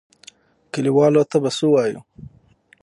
کليوالو ته به څه وايو؟